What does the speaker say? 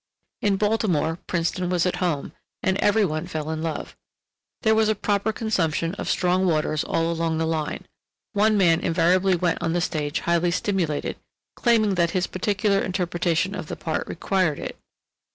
In Baltimore, Princeton was at home, and every one fell in love. There was a proper consumption of strong waters all along the line; one man invariably went on the stage highly stimulated, claiming that his particular interpretation of the part required it.